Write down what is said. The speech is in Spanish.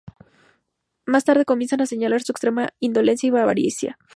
Más tarde comienzan a señalar su extrema indolencia y avaricia.